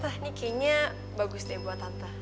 tante ini kayaknya bagus deh buat tante